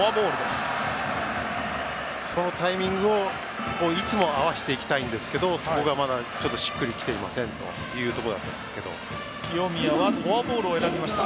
そのタイミングをいつも合わせていきたいんですがそこがまだしっくり来ていません清宮はフォアボールを選びました。